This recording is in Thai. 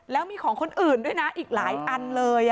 แล้วมีของคนอื่นด้วยนะอีกหลายอันเลย